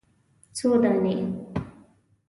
_څو دانې ؟